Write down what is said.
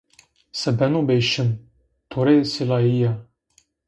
Se beno bê şim. To rê sılaiya.